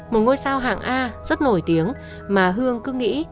một ngôi sao hạng a rất nổi tiếng mà hương cứ nghĩ